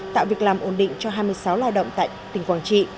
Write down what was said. tạo việc làm ổn định cho hai mươi sáu lao động tại tỉnh quảng trị